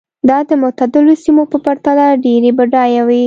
دا د معتدلو سیمو په پرتله ډېرې بډایه وې.